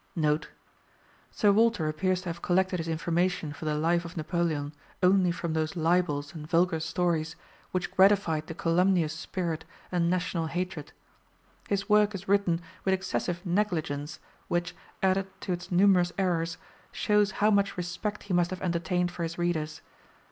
[Sir Walter appears to have collected his information for the Life of Napoleon only from those libels and vulgar stories which gratified the calumnious spirit and national hatred. His work is written with excessive negligence, which, added to its numerous errors, shows how much respect he must have entertained for his readers.